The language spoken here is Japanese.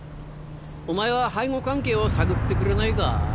お前は背後関係を探ってくれないか？